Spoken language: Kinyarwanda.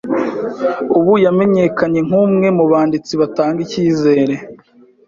Ubu yamenyekanye nk'umwe mu banditsi batanga ikizere.